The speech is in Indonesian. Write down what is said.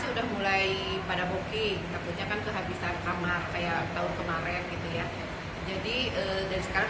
sudah mulai pada booking takutnya kan kehabisan kamar kayak tahun kemarin gitu ya jadi dari sekarang